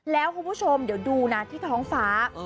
แล้วคุณผู้ชมเดี๋ยวดูนะที่ท้องฟ้า